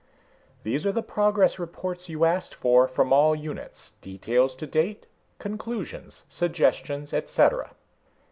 "These are the progress reports you asked for, from all units. Details to date, conclusions, suggestions, et cetera."